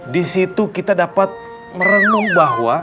disitu kita dapat merenung bahwa